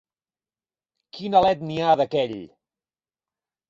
Quin elet n'hi ha, d'aquell!